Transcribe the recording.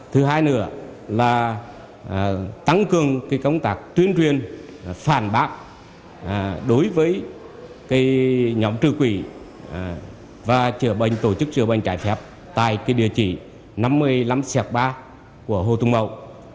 thứ hai nửa là cơ quan phiên môn để tăng cường công tác kiểm tra giám sát và kiệp thời phát hiện các hành vi vi phạm để xử lý theo quy định của pháp luật